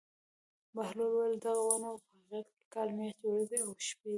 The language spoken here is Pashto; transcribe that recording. بهلول وویل: دغه ونه په حقیقت کې کال میاشتې ورځې او شپې دي.